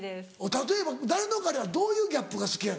例えばダレノガレはどういうギャップが好きやねん。